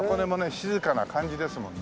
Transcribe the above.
静かな感じですもんね。